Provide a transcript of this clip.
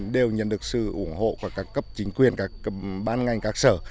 đều nhận được sự ủng hộ của các cấp chính quyền các cấp ban ngành các sở